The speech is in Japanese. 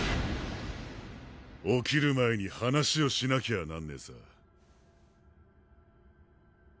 起きる前に話をしなきゃあなんねえさ。